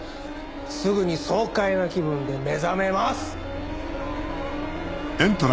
すぐに爽快な気分で目覚めます！